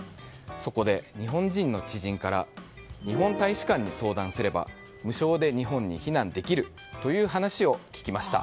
そこで日本人の知人から日本大使館に相談すれば無償で日本に避難できるという話を聞きました。